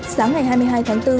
sáng ngày hai mươi hai tháng bốn